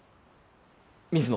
水野。